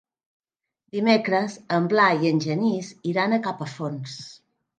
Dimecres en Blai i en Genís iran a Capafonts.